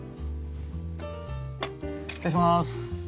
失礼します